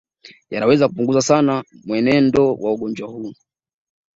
Yanaweza kupunguza sana mwenendo wa ugonjwa huu